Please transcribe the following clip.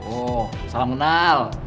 oh salah ngenal